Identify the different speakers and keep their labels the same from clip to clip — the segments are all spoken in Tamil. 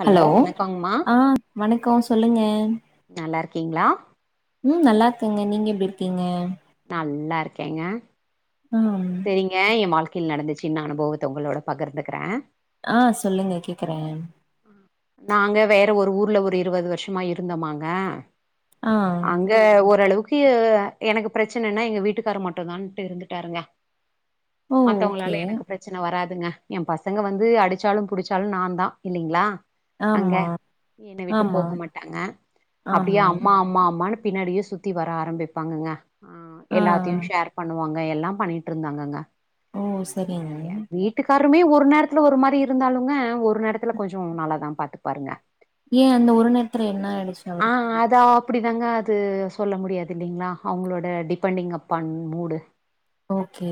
Speaker 1: ஹலோ வணக்கங்மா
Speaker 2: ஆ வணக்கம் சொல்லுங்க
Speaker 1: நல்லா இருக்கீங்களா
Speaker 2: ம் நல்லா இருக்கேங்க நீங்க எப்டி இருக்கீங்க
Speaker 1: நல்லா இருக்கேங்க
Speaker 2: அம்
Speaker 1: செரிங்க என் வாழ்க்கையில் நடந்த சின்ன அனுபவத்த உங்களோட பகிர்ந்துக்கிற
Speaker 2: ஆ சொல்லுங்க கேக்குறே
Speaker 1: நாங்க வேற ஒரு ஊர்ல ஒரு இருவது வருஷமா இருந்தோமாங்க
Speaker 2: ஆ
Speaker 1: இங்க ஓரளவுக்கு எனக்கு பிரச்சனனா எங்க வீட்டுக்காரு மட்டும் தான்ட்டு இருந்துட்டாருங்க
Speaker 2: ஓ ஓகே
Speaker 1: மத்தவங்களால எனக்கு பெரச் பிரச்சன வராதுங்க ஏ பசங்க வந்து அடிச்சாலூ புடிச்சாலூ நா தா இல்லிங்களா
Speaker 2: ஆமா
Speaker 1: என்னை விட்டு
Speaker 2: ஆமா
Speaker 1: போக மாட்டாங்க அப்படியே
Speaker 2: ஆமா
Speaker 1: அம்மா அம்மா அம்மான்னு பின்னாடியே சுத் சுத்தி வர ஆரம்பிப்பாங்கங்க ஆஹ்
Speaker 2: ஆ
Speaker 1: எல்லாத்தையூ ஷேர் பண்ணுவாங்க எல்லா பண்ணிட்டு இருந்தாங்கங்க
Speaker 2: ஓ
Speaker 1: ஆ எ
Speaker 2: சரிங்க
Speaker 1: ஏ வீட் வீட்டுக்காருமே ஒரு நேரத்துல ஒரு மாரி இருந்தாலுங்க ஒரு நேரத்துல கொஞ்சே நல்லாதா பாத்துப் பாருங்க
Speaker 2: ஏன் அந்த ஒரு நேரத்துல என்ன ஆயிடுச்சி அவருக்கு
Speaker 1: இப்படி தாங்க அது சொல்ல முடியாது இல்லிங்ளா அவங்களோட டிபெண்டிங் அப்பான் மூடு
Speaker 2: ஓகே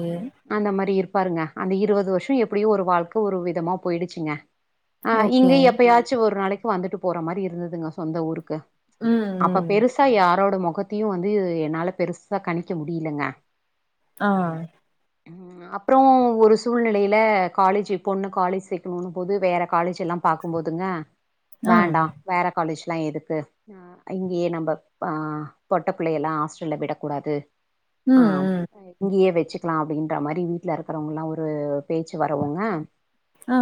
Speaker 1: அந்த மாரி இருப்பாருங்க அந்த இருவது வருஷோ எப்படியோ ஒரு வாழ்க்கை ஒரு விதமா போயிடுச்சுங்க ஆ
Speaker 2: ஓகே
Speaker 1: இங்க எப்பயாச்சு ஒரு நாளைக்கி வந்துட்டு போற மாரி இருந்ததுங்க சொந்த ஊருக்
Speaker 2: ம்
Speaker 1: அப்ப
Speaker 2: ம்
Speaker 1: பெருசா யாரோட மொகத்தையும் வந்து என்னால பெருசா கணிக்க முடியலங்க
Speaker 2: ஆ
Speaker 1: ம் ஆ அப்புறோ ஒரு சூழ்நிலையில காலேஜ் பொண்ணு காலேஜ் சேக்கணும்ன்னூ போது வேறு காலேஜ்லா பாக்கும் போதுங்க
Speaker 2: ஆ
Speaker 1: வேண்டா வேற காலேஜ்லா எதுக்கு ஹ இங்கேயே நம்ம ஆ பொட்ட பிள்ளையல்லா ஹாஸ்டல்ல விடக்கூடாது ஆ
Speaker 2: ம் ம்
Speaker 1: இங்கேயே வெ வச்சிக்கலா அப்படின்ற மாரி வீட்ல இருக்கிறவங்கலா ஒரு பேச்சு வரவுங்க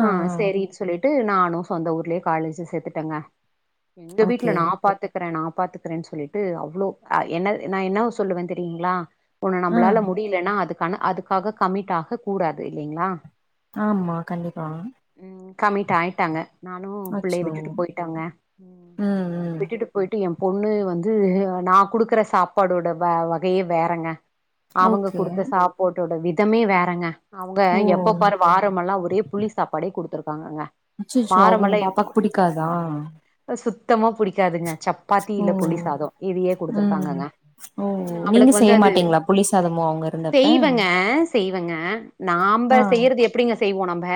Speaker 1: ஆ சேரினு சொல்லிட்டு நானும் சொந்த ஊர்லேயே காலேஜ் சேத்துட்டேங்க எங்க வீட்ல
Speaker 2: ஓகே
Speaker 1: நா பாத்து க்கறேன் நா பாத்துக்கறேன் சொல்லிட்டு அவ்ளோ அ என்னது நா என்ன சொல்லுவே தெரியுங்ளா ஒண்ணு
Speaker 2: ஆ
Speaker 1: நம்மளால முடியலன்னா அதுக்கான அதுக்காக கமிட்டாக கூடாது இல்லைங்களா
Speaker 2: ஆமா கண்டிப்பா
Speaker 1: ம் கம்மிட் ஆயிட்டாங்க நானூ பிள்ளய
Speaker 2: அச்சோ
Speaker 1: விட்டுட்டு போயிட்டோங்க
Speaker 2: ம் ம்
Speaker 1: விட்டுட்டு போயிட்டு என் பொண்ணு வந்து நான் குடுக்குற சாப்பாடோட வ வகையே வேறங்க அவங்க
Speaker 2: ஓகே
Speaker 1: குடுத்த சாப்பாட்டோட விதமே வேறங்க அவங்க எப்ப
Speaker 2: ஓ
Speaker 1: பாரு வாரமெல்லாம் ஒரே புளி சாப்பாடே குடுத்துருக்காங்கங்க
Speaker 2: அச்சச்சோ அவங்க பாப்பாக்கு பிடிக்காதா
Speaker 1: சுத்தமாக பிடிக்காதுங்க சப் சப்பாத்தி
Speaker 2: ஓ
Speaker 1: இல்ல புளி சாதம் இதையே
Speaker 2: ம்
Speaker 1: குடுத்துருக்காங்கங்க
Speaker 2: ஓ நீங்க
Speaker 1: அவளுக்கு வந்து
Speaker 2: செய்ய
Speaker 1: அது
Speaker 2: மாட்டீங்களா புளி சாதமேங்க
Speaker 1: செய்வேங்க செய்வேங்க
Speaker 2: ஆ
Speaker 1: நாம்ப செய்யறது எப்படிங்க செய்வோ நம்ப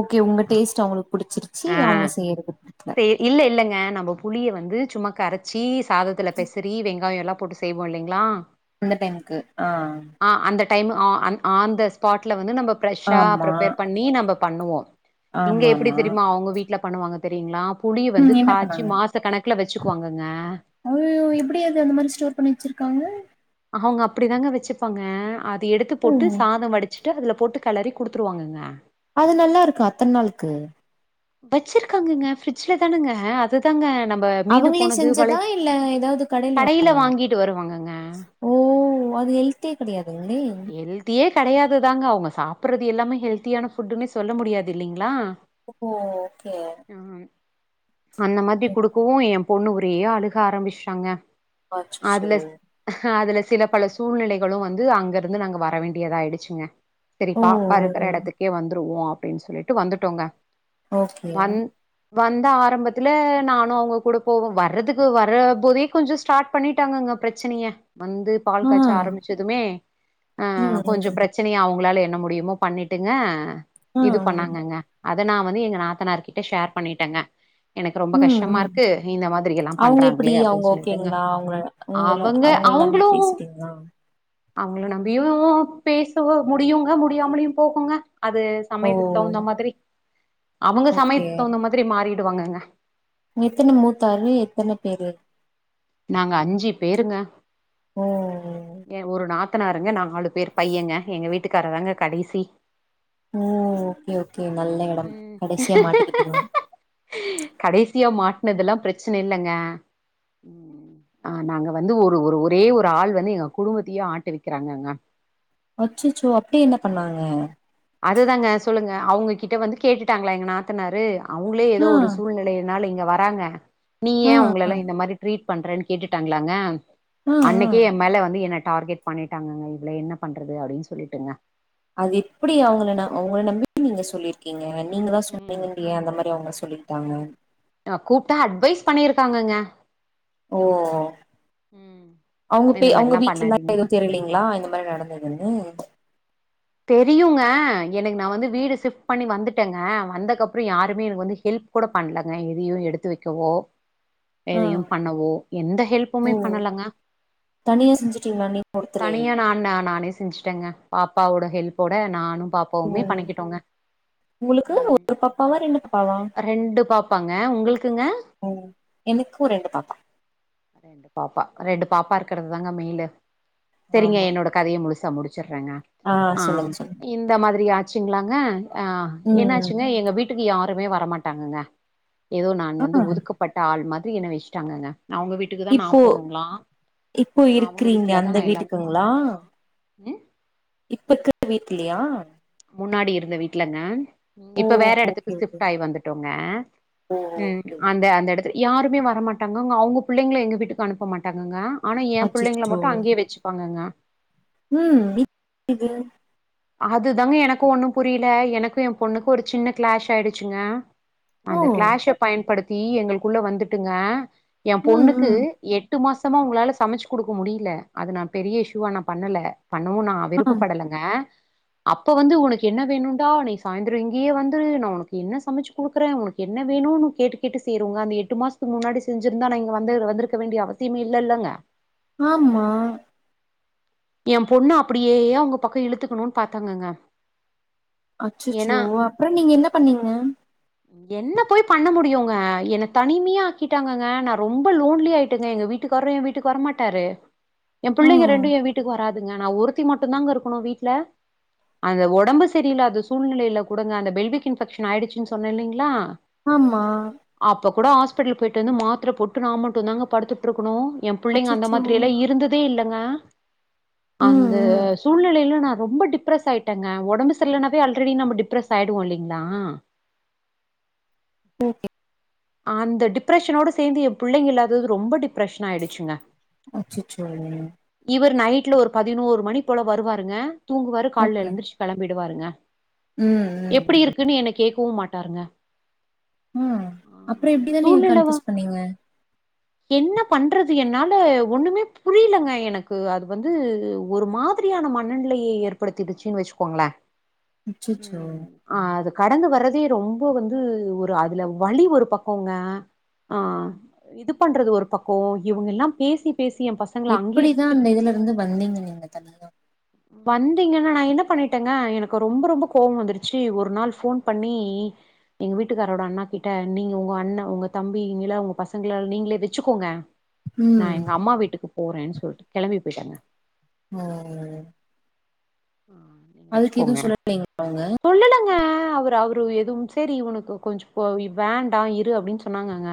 Speaker 2: ஓகே உங்க
Speaker 1: அ
Speaker 2: டேஸ்ட் அவங்களுக்கு புடிச்சிருச்சு
Speaker 1: ஆ
Speaker 2: அவங்க செய்யறது புடிக்கல
Speaker 1: செ இல்ல இல்லங்க நம்ம புளிய வந்து சும்மா கரச்சி சாதத்துல பெசறி வெங்காயம் எல்லாம் போட்டு செய்வோ இல்லிங்ளா
Speaker 2: அந்த டைம்முக்கு ஆ
Speaker 1: ஆ அந்த டைம் ஆன் த ஸ்பாட்ல வந்து நம்ம ஃப்ரெஷ்ஷா
Speaker 2: ஆமா
Speaker 1: பிரிப்பேர் பண்ணி நம்ம பண்ணுவோ இங்க எப்டி
Speaker 2: ஆமாமா
Speaker 1: தெரியுமா அவங்க வீட்ல பண்ணுவாங்க தெரியூங்களா புளிய வந்து
Speaker 2: ம் என்ன
Speaker 1: காய்ச்சி
Speaker 2: பண்ணாங்க
Speaker 1: மாச கணக்குல வச்சுக்குவாங்கங்க
Speaker 2: அய்யய்யோ எப்டி அது அந்த மாதிரி ஸ்டோர் பண்ணி வச்சிருக்காங்க
Speaker 1: அவங்க அப்படி தாங்க வச்சுப்பாங்க அது எடுத்து
Speaker 2: ஓ
Speaker 1: போட்டு சாதம் வடித் வெச்சட்டு அதுல போட்டு கெளறி குடுத்துருவாங்கங்க
Speaker 2: அது நல்லா இருக்கா அத்தன நாளுக்கு
Speaker 1: வச்சிருக்காங்கங்க ஃபிரிட்ஜ்ல தானுங்க அது தாங்க நம்ம மீந்து
Speaker 2: அவங்களே
Speaker 1: போனது
Speaker 2: செஞ்சதா
Speaker 1: பலக்
Speaker 2: இல்ல ஏதாவது
Speaker 1: கடையில
Speaker 2: வாங்குனாங்களா
Speaker 1: வாங்கிட்டு வருவாங்கங்க
Speaker 2: ஓ அது ஹெல்த்தே கிடையாதுங்களே
Speaker 1: ஹெல்தியே கெடையாதுதாங்க அவுங்க சாப்பட்றது எல்லாமே ஹெல்த்தியான ஃபுட்டுன்னே சொல்ல முடியாது இல்லைங்களா
Speaker 2: ஓ ஓகே
Speaker 1: அ ம் அந்த மாரி
Speaker 2: ம்
Speaker 1: குடுக்கவு எ பொண்ணு ஒரே அழுக ஆரம்பிச்சுட்டாங்க
Speaker 2: அச்சச்சோ
Speaker 1: அதுல அதுல சில பல சூழ்நெலைகளு வந்து அங்க இருந்து நாங்க வர வேண்டியதா ஆயிடுச்சுங்க செரி பாப்பா இருக்கற
Speaker 2: ஓ
Speaker 1: எடத்துக்கே வந்துருவோ அப்டின்னு சொல்லிட்டு வந்துட்டோங்க
Speaker 2: ஓகே
Speaker 1: வந் வந்தா ஆரம்பத்துல நானு அவங்க கூட போவே வர்றதுக்கு வர போதே கொஞ்சோ ஸ்டார்ட் பண்ணிட்டாங்கங்க ஃப்ரச்சனய வந்து
Speaker 2: ஆ
Speaker 1: பால் காய்ச்ச
Speaker 2: ம்
Speaker 1: ஆரம்பிச்சதுமே ஆ
Speaker 2: ம்
Speaker 1: கொஞ்சோ ஃப்ரச்சனய அவங்களால என்ன முடியுமோ பண்ணிட்டுங்க இது
Speaker 2: ம்
Speaker 1: பண்ணாங்கங்க அத நா வந்து எங்க நாத்தனாருகிட்ட ஷேர் பண்ணிட்டேங்க எனக்கு ரொம்ப
Speaker 2: ம்
Speaker 1: கஷ்டமா
Speaker 2: ம்
Speaker 1: இருக்கு இந்த மாதிரி எல்லா
Speaker 2: அவங்க எப்டி
Speaker 1: பண்றாங்களே
Speaker 2: அவங்க
Speaker 1: அப்டின்னு சொல்லிட்டுங்க
Speaker 2: ஓகேங்களா அவங்கள
Speaker 1: அவங்க அவங்ளு
Speaker 2: யா
Speaker 1: அவங்கள நம்பியு பேசவோ முடியுங்க முடியாமலயு போகுங்க அது
Speaker 2: ஓ
Speaker 1: சமயத்துக்கு தகுந்த மாதிரி அவங்க
Speaker 2: ஓகே
Speaker 1: சமயத்துக்கு தகுந்த மாதிரி மாறிடுவாங்கங்க
Speaker 2: எத்தன மூத்தாரு எத்தன பேரு
Speaker 1: நாங்க அஞ்சு பேருங்க.
Speaker 2: ஓ
Speaker 1: எ ஒரு நாத்தனாருங்க நா நாலு பேரு பையங்க, எங்க வீட்டுக்காரர் தாங்க கடைசி
Speaker 2: ஓ! ஓகே! ஓகே! நல்ல எடம்
Speaker 1: ம்
Speaker 2: கடைசியா மாட்டிகிட்டிங்க
Speaker 1: கடைசியா மாட்னதுல்லா பிரச்சன இல்லங்க. ஆ நாங்க வந்து ஒரு ஒரு ஒரே ஒரு ஆள் வந்து எங்க குடும்பத்தையே ஆட்டுவிக்கிறாங்கங்க
Speaker 2: அச்சச்சோ அப்டி என்ன பண்ணாங்க
Speaker 1: அதுதாங்க சொல்லுங்க அவங்க கிட்ட வந்து கேட்டுட்டாங்களா எங்க நாத்தனாரு அவங்களே
Speaker 2: ஆ
Speaker 1: ஏதோ ஒரு சூழ்நிலையினால இங்க வராங்க நீ ஏ
Speaker 2: ஆ
Speaker 1: அவங்கள
Speaker 2: ஆ
Speaker 1: எல்லா இந்த மாரி ட்ரீட் பண்றன்னு கேட்டுட்டாங்களாங்க
Speaker 2: ஆ ஆ
Speaker 1: அன்னைக்கே எ மேல வந்து என்ன டார்கெட் பண்ணிட்டாங்கங்க இவள என்ன பண்றது அப்டின்னு சொல்லிட்டுங்க
Speaker 2: அது எப்டி அவங்கள நா அவங்கள நம்பி நீங்க சொல்லிருக்கீங்க நீங்க தா
Speaker 1: ம்
Speaker 2: சொன்னீங்கன் எ அந்த மாதிரி அவங்க சொல்லிகிட்டாங்க
Speaker 1: ட கூப்ட்டா அட்வைஸ் பண்ணியிருக்காங்கங்க
Speaker 2: ஓ
Speaker 1: ம்
Speaker 2: அவங்க பே
Speaker 1: இந்த
Speaker 2: அவங்க
Speaker 1: மாரிலா
Speaker 2: வீட்லலா
Speaker 1: பண்ணாதீங்க
Speaker 2: தெரிலீங்களா இந்த மாதிரி நடந்ததுன்னு
Speaker 1: தெரியுங்க எனக்கு நா வந்து வீடு ஷிஃப்ட் பண்ணி வந்துட்டேங்க வந்தக்கப்றோ யாருமே எனக்கு வந்து ஹெல்ப் கூட பண்ணலங்க எதயு எடுத்து வெக்கவோ
Speaker 2: ஆ
Speaker 1: எதயு பண்ணவோ எந்த
Speaker 2: ஓ
Speaker 1: ஹெல்ப்புமே பண்ணலங்க
Speaker 2: தனியா செஞ்சுட்டீங்களா நீங்க ஒருத்தரே
Speaker 1: தனியா நா நானே செஞ்சுட்டேங்க பாப்பாவோட ஹெல்ப்போட நானு பாப் எப்போமே
Speaker 2: ம்
Speaker 1: பண்ணிக்கிட்டோங்க
Speaker 2: உங்களுக்கு
Speaker 1: ம்
Speaker 2: ஒரு பாப்பாவா ரெண்டு பாப்பாவா
Speaker 1: ரெண்டு பாப்பாங்க உங்களுக்குங்க
Speaker 2: ம் எனக்கு ரெண்டு பாப்பா
Speaker 1: ரெண்டு பாப்பா ரெண்டு பாப்பா இருக்கறது தாங்க மேலு செரிங்க
Speaker 2: ஆமா
Speaker 1: என்னோட கதைய முழுசா முடிச்சுட்றேங்க
Speaker 2: ஆ சொல்லுங்க சொல்லுங்க
Speaker 1: இந்த மாதிரி ஆட்சிங்களாங்க ஆ என்ன
Speaker 2: ம்
Speaker 1: ஆச்சுங்க எங்க வீட் க்கு யாருமே வரமாட்டாங்கங்க ஏதோ நான்
Speaker 2: ஆ
Speaker 1: வந்து ஒதுக்க பட்ட ஆள் மாதிரி என்ன வச்சுட்டாங்கங்க அவங்க வீட் வீட்டுக்கு தா நா
Speaker 2: இப்போ
Speaker 1: போணுங்ளா
Speaker 2: இப்போ
Speaker 1: அவங்க
Speaker 2: இருக்கிறீங்க
Speaker 1: வீட்ல தா
Speaker 2: அந்த
Speaker 1: நா எல்லாமே
Speaker 2: வீட்டுக்குங்களா
Speaker 1: பண்ணனுங்ளா ம்
Speaker 2: இப்பருக்கற வீட்லயா
Speaker 1: முன்னாடி இருந்த வீட்டுலங்க
Speaker 2: ஓ
Speaker 1: இப்ப வேற
Speaker 2: ஓகே
Speaker 1: எடத்துக்கு
Speaker 2: ஓகே
Speaker 1: சிஃப்ட் ஆயி வந்துட்டோங்க.
Speaker 2: ஓ
Speaker 1: ம்
Speaker 2: ஓகே
Speaker 1: அந்த அந்த எடத்து யாருமே வரமாட்டாங்கங்க அவங்க பிள்ளைங்களை எங்க வீட்டுக்கு அனுப்பமாட்டாங்கங்க ஆனா எ பிள்ளைங்கள
Speaker 2: அச்சச்சோ
Speaker 1: மட்டு அங்கேயே வச்சு ப்பாங்கங்க
Speaker 2: ம் [inaudible] இது
Speaker 1: அதுதாங்க எனக்கு ஒண்ணு புரியல எனக்கு எ பொண்ணுக்கு ஒரு சின்ன க்ளாஷ் ஆயிடுச்சுங்க
Speaker 2: ஓ
Speaker 1: அந்த க்ளஷ பயன்படுத்தி எங்களுக்குள்ள வந்துட்டுங்க எ
Speaker 2: ம்
Speaker 1: பொண்ணுக்கு
Speaker 2: ம்
Speaker 1: எட்டு மாசமா உங்களால சமச்சு குடுக்க முடியல அது நான் பெரிய இஷ்யூவா நான் பண்ணலே பண்ணவும் நா
Speaker 2: ஆம்
Speaker 1: விருப்பப்படலேங்க அப்ப வந்து ஒனக்கு என்ன வேணுன்டா நீ சாயந்தரோ இங்கயே வந்துரு நா ஒனக்கு என்ன சமச்சு குடுக்குற ஒனக் என்ன வேணுன்னு கேட்டு கேட்டு செய்யுருவுங்க அந்த எட்டு மாசத்துக்கு முன்னாடி செஞ்சிருந்தா நா இங்க வந்துரு வந்துருக்க வேண்டிய அவசியமே இல்லே இல்லேங்க
Speaker 2: ஆமா
Speaker 1: எம் பொண்ணு அப்படியே அவங்க பக்கோ இழுத்துக்கணுன் பாத்தாங்கங்க
Speaker 2: அச்சச்சோ
Speaker 1: ஏன்னா
Speaker 2: அப்பறோ நீங்க என்ன பண்ணீங்க
Speaker 1: என்ன போய் பண்ண முடியுங்க என்ன தனிமையா ஆக்கிட்டாங்கங்க நா ரொம்ப லோன்லி ஆய்ட்டேங்க எங்க வீட் வீட்டுக்காரு எ வீட்டுக்கு வர மாட்டாரு எ பிள்ளைங்க
Speaker 2: ம்
Speaker 1: ரெண்டு என் வீட் வராதுங்க நா ஒருத்தி மட்டுந் தாங்க இருக்கணு வீட்ல அந்த ஒடம்பு சரியில்லாத சூழ்நிலைல கூடங்க அந்த பெல்விக் இன்ஃபெக்ஷன் ஆயிருச்சுன்னு சொன்னே இல்லேங்களா
Speaker 2: ஆமா
Speaker 1: அப்ப கூட ஆஸ்பிட்டல் போய்ட்டு வந்து மாத்திர போட்டு நா மட்டுந்தாங்க படுத்து இருக்கணு என் பிள்ளங்க அந்த
Speaker 2: அச்சச்சோ
Speaker 1: மாரி எல்லா இருந்ததே இல்லங்க
Speaker 2: ம்
Speaker 1: அந்த
Speaker 2: ம்
Speaker 1: சூழ்நிலையில நா ரொம்ப டிப்ரஸ் ஆய் ட்டங்க ஒடம்பு சரியில்லன்னாவே அல்ரெடி நம்ம டிப்ரஸ் ஆய்டுவோ இல்லிங்ளா
Speaker 2: ஓகே
Speaker 1: அந்த டிப்ரெஷனோட சேந்து எம் பிள்ளைங்க இல்லாதது ரொம்ப டிப்ரெஷன் ஆயிடுச்சுங்க
Speaker 2: அச்சச்சோ
Speaker 1: இவரு நைட்ல ஒரு பதினோரு மணி போல வருவாருங்க தூங்குவாரு கால்ல
Speaker 2: ஓகே
Speaker 1: எழுந்துருச் கெளம்பிடுவாருங்க
Speaker 2: ம் ம்
Speaker 1: எப்பிடி
Speaker 2: ம்
Speaker 1: இருக்குன்னு என்ன கேக்கவு மாட்டாருங்க ஆ
Speaker 2: ம் அப்புறோ
Speaker 1: அந்த
Speaker 2: எப்டிதா நீங்க
Speaker 1: சூழ்நிலவா
Speaker 2: கன்ஃபியூஸ் பண்ணீங்க
Speaker 1: என்னப் பண்றது என்னால ஒண்ணுமே புரியலேங்க எனக்கு அது வந்து ஒரு மாத் மாதிரியான மனநிலைய ஏற்படுத்திடுச்சின்னு வச்சிக்கோங்கள
Speaker 2: அச்சச்சோ
Speaker 1: ம் ஆ அது கடந்து வர்றதே ரொம்ப வந்து ஒரு அதுல வலி ஒரு பக்கோங்க ஆ இது பண்றது ஒரு பக்கோ இவுங்க ல்லா பேசிப் பேசி எ பசங்
Speaker 2: எப்டி தா அந்த இதுல இருந்து வந்தீங்க நீங்க தனியாஹ்
Speaker 1: ம் வந்தீங்கன்னா நா என்ன பண்ணிட்டங்க எனக்கு ரொம்ப ரொம்ப கோவோ வந்துருச்சி ஒரு நாள் ஃபோன் பண்ணி எங்க வீட்டுக்காரரோட அண்ணாக்கி ட்ட நீங்க உங்க அண்ணன் உங்க தம்பிங்கள உங்க பசங்கள நீங்களே வச்சுக்கோங்க நா
Speaker 2: ம்
Speaker 1: எங்க அம்மா வீட்டுக்கு போறன் சொல்ட்டு கெளம்பி போய்ட்டங்க
Speaker 2: ஆ
Speaker 1: ஆ
Speaker 2: அதுக்கு எது சொல்லலைங்களா அவங்க
Speaker 1: சொல்லலங்க அவரு அவரு எதுவும் சேரி ஒனக்கு கொஞ்சோ ம் பொ இ வேண்டா இரு அப்டின்னு சொன்னாங்கங்க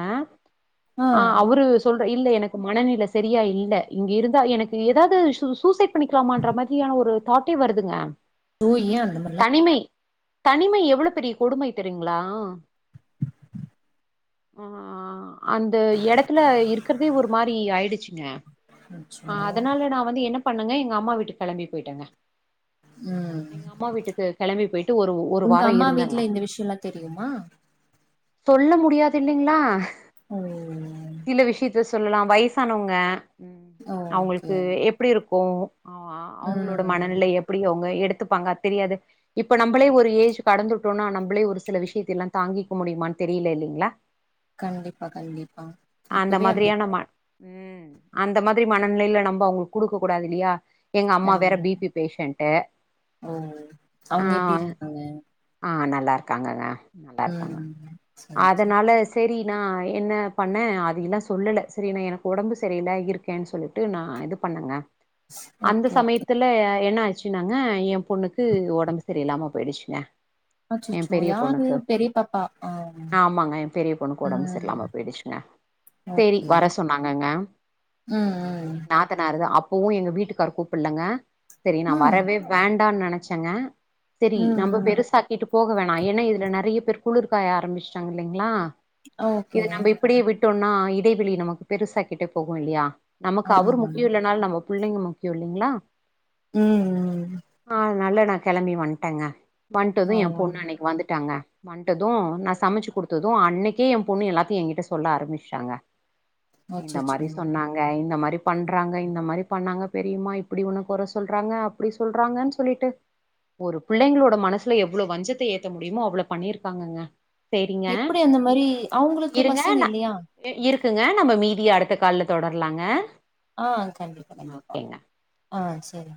Speaker 1: ஆ அவரு சொல்ற இல்ல எனக்கு மனநில சரியா இல்ல இங்க இருந்தா எனக்கு ஏதாது சூ சூசைட் பண்ணிக்கலாமான்ற மாரியான ஒரு தாட்டே வருதுங்க
Speaker 2: அய்யோ ஏ அந்த மாரில்லா
Speaker 1: தனிமை தனிமை எவ்ளோ பெரிய கொடுமை தெரியுங்களா ஆ அந்த இடத்துல இருக்கிறதே ஒரு மாரி ஆயிடுசுங்க
Speaker 2: அச்சோ
Speaker 1: அ அதனால நா வந்து என்ன பண்ணோங்க எங்க அம்மா வீட்டுக்கு கெளம்பி போயிட்டேனுங்க
Speaker 2: ம்
Speaker 1: எங்க அம்மா வீட்டுக்கு கெளம்பி போயிட்டு ஒரு ஒரு
Speaker 2: உங்க
Speaker 1: வாரோ
Speaker 2: அம்மா
Speaker 1: இருந்தோங்க
Speaker 2: வீட்ல இந்த விஷயல்லா தெரியுமா
Speaker 1: தொல்ல முடியாது இல்லிங்ளா
Speaker 2: ம்
Speaker 1: சில விஷ்யத்த சொல்லலா வயசானவங்க ம்
Speaker 2: ஓகே
Speaker 1: அவ்ங்களுக்கு இப் எப்படி இருக்கோ அ அவங்களோட
Speaker 2: ம்
Speaker 1: மனநிலை எப்படி அவங்க எடுத்துப்பாங்க தெரியாது இப்ப நம்பளே ஒரு ஏஜ் கடந்துட்டோனா நம்பளே ஒரு சில விஷயத்தல்லா தாங்கி க்கு முடியுமான் தெரியில இல்லைங்களா
Speaker 2: கண்டிப்பா கண்டிப்பா
Speaker 1: அந்த
Speaker 2: இப்பவே அப்டி
Speaker 1: மாதிரியான ம ம் அந்த மாதிரி மனநிலயில நம்ம அவங்களுக்கு கொடுக்க கூடாது இல்லியா எங்க அம்மா
Speaker 2: கண்
Speaker 1: வேற பிபி பேஷண்ட்டு
Speaker 2: ஓ
Speaker 1: அ
Speaker 2: அவங்க எப்டி இருக்காங்க
Speaker 1: ஆ நல்லா இருக்காங்ணா
Speaker 2: ம் சரி சரி
Speaker 1: அதனால சரி நா என்ன பண்ணே அத இன்னே சொல்லல்ல சரி எனக்கு ஒடம்பு சரியில்ல இருக்கேன் சொல்லி இது நா இது பண்ணங்க அந்த
Speaker 2: ஓகே ஓகே
Speaker 1: சமயத்தில் இல்ல என்ன ஆச்சுன்னாங்க என் பொண்ணுக்கு ஒடம்பு சரி இல்லாம போயிடுச்சுங்க எ
Speaker 2: அச்சச்சோ
Speaker 1: பெரிய
Speaker 2: யாரு
Speaker 1: பொண்ணுக்கு
Speaker 2: பெரிய பாப்பா ஆ
Speaker 1: ஆமாங்க யன் பெரிய பொண்ணுக்கு ஒடம்பு சரி
Speaker 2: ம்
Speaker 1: இல்லாம போயிடுசுங்க சரி வர சொன்னாங்கங்க
Speaker 2: ம் ம்
Speaker 1: நாத்தனாரு தா அப்பவூ எங்க வீட்டுகாரு கூப்பிட்லங்க சரி நா
Speaker 2: ம் ஆ
Speaker 1: வரவே வேண்டான் நெனைச்சங்க சரி
Speaker 2: ம்
Speaker 1: நம்ம
Speaker 2: ம்
Speaker 1: பெருசாக்கிட்டு போக வேணா ஏன்னா இதுல நெறைய பேர் குளிர் காய ஆரம்பிச்சட்டாங்க இல்லலைங்களா இது
Speaker 2: ஓகே
Speaker 1: நம்ம இப்படியே விட் விட்டோனா இடைவெளி நமக்கு பெருசாக்கிட்டே போகூ இல்லையா நமக்கு அவர்
Speaker 2: ஆமா
Speaker 1: முக்கியூ இல்லாட் னாலூ நம்ம புள்ளைங்க முக்கிய இல்லலைங்களா
Speaker 2: ம் ம்
Speaker 1: ஆ அதனால நா கெளம்பி வன்டேங்க வன்டதூ
Speaker 2: ஆ
Speaker 1: ஏன் பொண்ணு அன்னிக்கி வந்துடாங்க டததூ நா சமைச்சு கொடுத்ததூ அன்னிக்கே ஏ பொண்ணு எல்லாத்தையூ எங்கிட்ட சொல்ல ஆரம்பிச்சிட்டாங்க இந்த மாரி
Speaker 2: அச்சச்சோ
Speaker 1: சொன்னாங்க க இந்த மாரி பண்றாங்க இந்த மாரி பண்ணாங்க பெரியுமா இப்படி ஒன்ன கொர சொல்றாங்க இப்டி சொல்றாங்க சொல்லிட்டு ஒரு பிள்ளைங்களோட மனசுல எவ்ளே வஞ்சத்த ஏத்த முடியுமோ அவளோ பண்ணியிருக் பாங்ககசேரிங்க
Speaker 2: எப்டி அந்த மாரி அவங்களுக்கு
Speaker 1: இருங்க
Speaker 2: பசங்க
Speaker 1: ந
Speaker 2: இல்லையா
Speaker 1: இர் இருக்குங்க நம்ம மீதிய அடுத்த கால்ல தொடர்லாங்க
Speaker 2: ஆ கண்டிப்பா கண்டிப்பா ஆ சரி